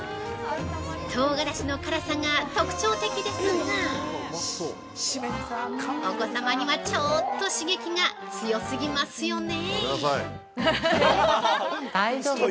唐辛子の辛さが特徴的ですがお子様にはちょーっと刺激が強すぎますよね？